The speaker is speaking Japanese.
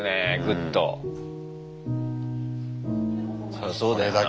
そりゃそうだよな。